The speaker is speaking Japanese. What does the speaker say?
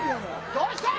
どうした？